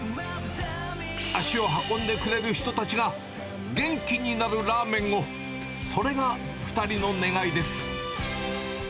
足を運んでくれる人たちが元気になるラーメンを、それが２人の願いです。